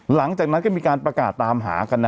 หลังจากนั้นก็มีการประกาศตามหากันนะ